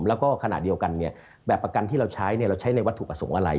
แล้วก็ขณะเดียวกันแบบประกันที่เราใช้เราใช้ในวัตถุประสงค์อะไร